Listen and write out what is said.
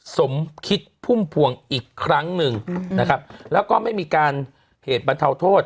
โสมคิดพุ่มพวงอีกครั้งนึงแล้วก็ไม่มีการเหตุบรรษโทษ